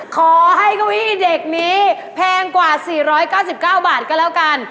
ขอให้เก้าอี้เด็กนี้แพงกว่าสี่ร้อยเก้าสิบเก้าบาทก็แล้วกัน